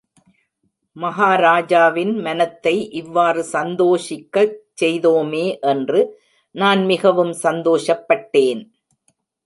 மஹாராஜாவின் மனத்தை இவ்வாறு சந்தோஷிக்கச் செய்தோமே என்று நான் மிகவும் சந்தோஷப் பட்டேன்.